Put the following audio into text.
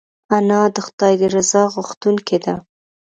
انا د خدای د رضا غوښتونکې ده